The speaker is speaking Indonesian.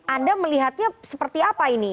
anda melihatnya seperti apa ini